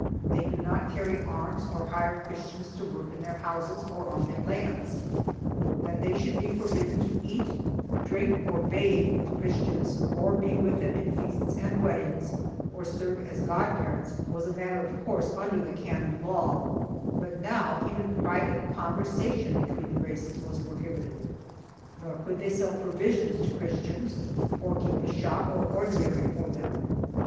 They could not carry arms or hire Christians to work in their houses or on their lands. That they should be forbidden to eat, drink or bathe with Christians, or be with them in feasts and wed dings, or serve as god parents was a matter of course under the , canon law, but now even private conversation between the races I was prohibited, nor could they sell provisions to Christians or ' keep a shop or ordinary for them.